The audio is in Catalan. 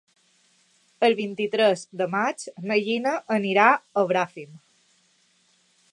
El vint-i-tres de maig na Gina anirà a Bràfim.